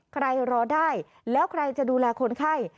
รอได้แล้วใครจะดูแลคนไข้